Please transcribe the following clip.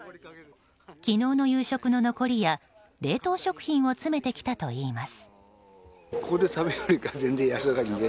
昨日の夕食の残りや冷凍食品を詰めてきたといいます。